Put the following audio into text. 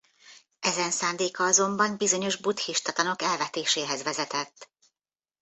Ezen szándéka azonban bizonyos buddhista tanok elvetéséhez vezetett.